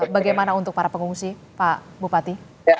bagaimana untuk para pengungsi pak bupati